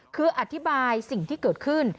คืออธิบายสิ่งที่เกิดขึ้น